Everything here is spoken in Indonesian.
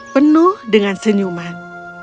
penuh dengan senyuman